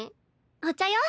お茶よ。